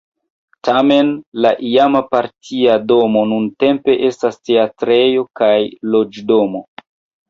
Tamen la iama partia domo nuntempe estas teatrejo kaj loĝdomo.